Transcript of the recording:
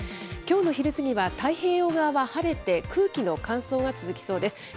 きょうの昼過ぎは、太平洋側は晴れて、空気の乾燥が続きそうです。